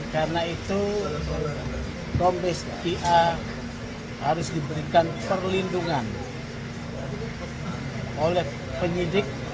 karena itu kombes ia harus diberikan perlindungan oleh penyidik